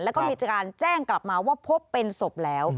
แล้วก็มีการแจ้งกลับมาว่าพบเป็นศพแล้ว